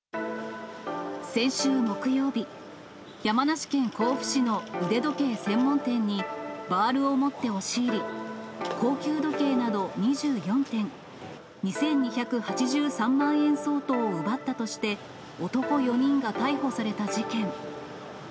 先週木曜日、山梨県甲府市の腕時計専門店にバールを持って押し入り、高級時計など２４点、２２８３万円相当を奪ったとして、男４人が逮捕された事件。